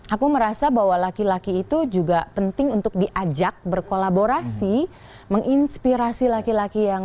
aku merasa bahwa laki laki itu juga penting untuk diajak berkolaborasi menginspirasi laki laki yang